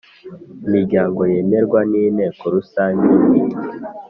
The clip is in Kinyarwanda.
imiryango yemerwa n Inteko Rusange niyi